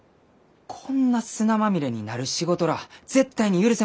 こんな砂まみれになる仕事らあ絶対に許せませんき。